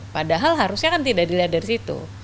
padahal harusnya kan tidak dilihat dari situ